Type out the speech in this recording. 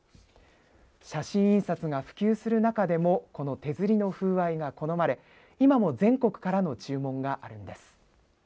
写真印刷が普及する中でもこの手刷りの風合いが好まれ今も全国からの注文があるんです。